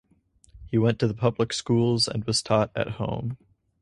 He went to the public schools and was taught at home.